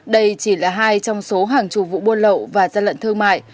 đây chỉ là hai trong số hàng chù vụ buôn lậu và gia lận thương mại